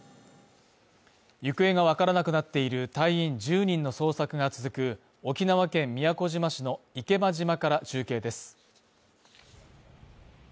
行方がわからなくなっている隊員１０人の捜索が続く沖縄県宮古島市の池間島から中継です。